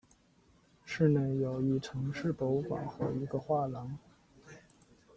市内有一城市博物馆和一个画廊。